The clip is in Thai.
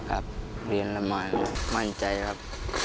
ครับเรียนลำบากมั่นใจครับ